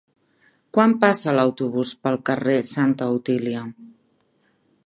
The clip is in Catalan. Quan passa l'autobús pel carrer Santa Otília?